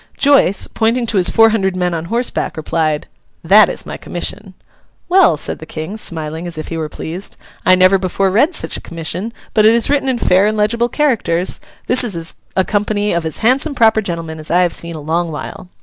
Joice, pointing to his four hundred men on horseback, replied, 'That is my commission.' 'Well,' said the King, smiling, as if he were pleased, 'I never before read such a commission; but it is written in fair and legible characters. This is a company of as handsome proper gentlemen as I have seen a long while.